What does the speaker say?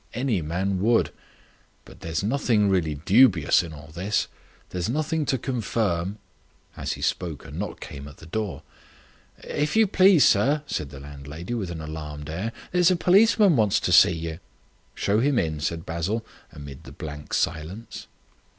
Any man would. But there's nothing really dubious in all this. There's nothing to confirm " As he spoke a knock came at the door. "If you please, sir," said the landlady, with an alarmed air, "there's a policeman wants to see you." "Show him in," said Basil, amid the blank silence.